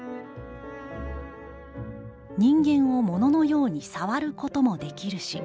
「人間を物のように『さわる』こともできるし」。